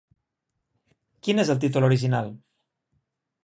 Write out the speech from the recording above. Quin és el títol original?